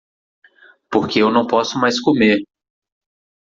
Porque eu não posso mais comer.